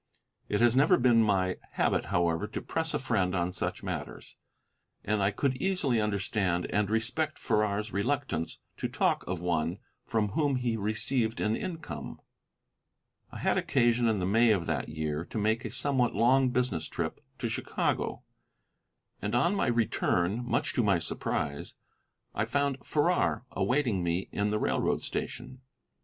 It has never been my habit, however, to press a friend on such matters, and I could easily understand and respect Farrar's reluctance to talk of one from whom he received an income. I had occasion, in the May of that year, to make a somewhat long business trip to Chicago, and on my return, much to my surprise, I found Farrar awaiting me in the railroad station.